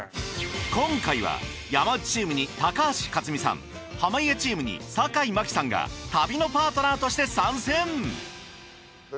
今回は山内チームに高橋克実さん濱家チームに坂井真紀さんが旅のパートナーとして参戦！